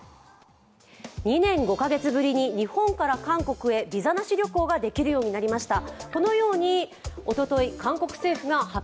２年５カ月ぶりに日本から韓国へビザなし旅行ができるようになりました。